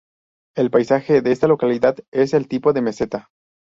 El paisaje de esta localidad es el típico de Meseta.